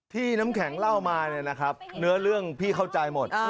ที่น้ำแข็งเล่ามาเนื้อเรื่องพี่เข้าใจหมด